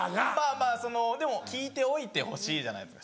まぁでも聞いておいてほしいじゃないですか。